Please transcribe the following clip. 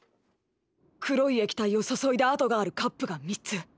黒い液体を注いだ跡があるカップが３つ。